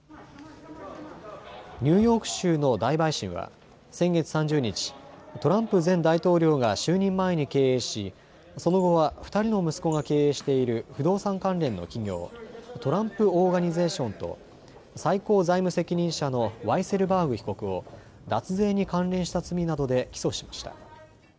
ニューヨーク州の大陪審は先月３０日、トランプ前大統領が就任前に経営しその後は２人の息子が経営している不動産関連の企業、トランプ・オーガニゼーションと最高財務責任者のワイセルバーグ被告を脱税に関連した罪などで起訴しました。